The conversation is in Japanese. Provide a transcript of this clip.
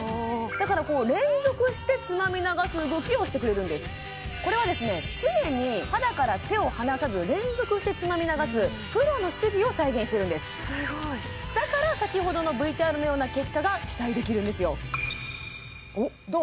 だからこう連続してつまみ流す動きをしてくれるんですこれはですね常に肌から手を離さず連続してつまみ流すプロの手技を再現してるんですすごいだからさきほどのＶＴＲのような結果が期待できるんですよどう？